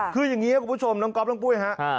คืออย่างนี้ครับคุณผู้ชมน้องก๊อฟน้องปุ้ยฮะ